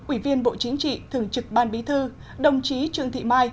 ủy viên bộ chính trị thường trực ban bí thư đồng chí trương thị mai